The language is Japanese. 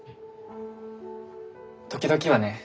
時々はね